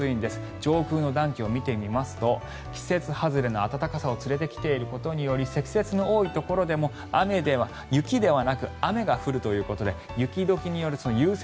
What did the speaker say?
上空の暖気を見てみますと季節外れの暖かさを連れてきていることにより積雪の多いところでも雪ではなく雨が降るということで雪解けによる融雪